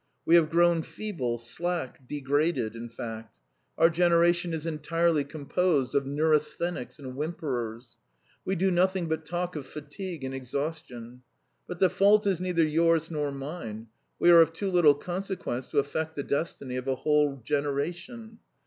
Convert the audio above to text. We have grown feeble, slack degraded, in fact. Our generation is entirely composed of neurasthenics and whimperers; we do nothing but talk of fatigue and exhaustion. But the fault is neither yours nor mine; we are of too little consequence to affect the destiny of a whole generation.